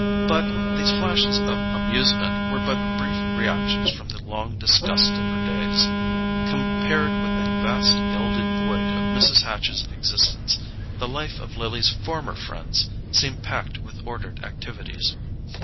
But these flashes of amusement were but brief reactions from the long disgust of her days. Compared with the vast gilded void of Mrs. Hatch's existence, the life of Lily's former friends seemed packed with ordered activities.